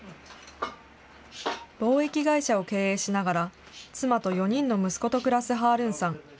貿易会社を経営しながら、妻と４人の息子と暮らすハールーンさん。